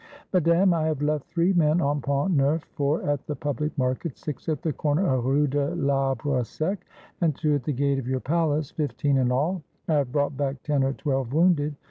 "Madame, I have left three men on Pont Neuf, four at the public markets, six at the corner of the Rue de I'Arbre Sec, and two at the gate of your palace, — fifteen in all. I have brought back ten or twelve wounded.